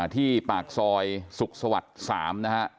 ที่ปากซอยสุขสวรรค์๓นะฮะ